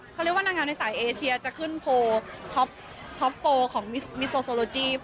เขาเรียกว่านางงามในสายเอเชียจะขึ้นโพลท็อปโฟลของมิโซโซโลจี